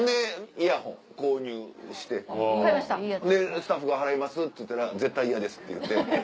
スタッフが払いますって言ったら「絶対嫌です」って言うて。